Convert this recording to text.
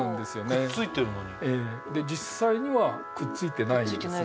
くっついてるのにくっついてないですよね